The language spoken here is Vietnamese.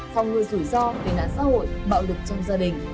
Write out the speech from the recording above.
phòng ngừa rủi ro tên nạn xã hội bạo lực trong gia đình